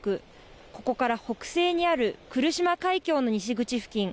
ここから北西にある来島海峡の西口付近